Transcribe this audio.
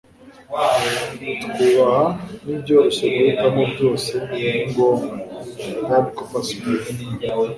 twubaha nibyoroshye guhitamo byose ni ngombwa - dan coppersmith